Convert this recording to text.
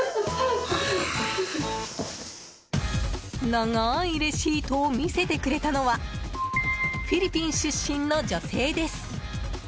長いレシートを見せてくれたのはフィリピン出身の女性です。